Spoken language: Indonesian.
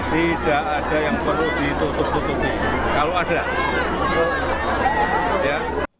tidak ada yang perlu ditutup tutupi kalau ada ya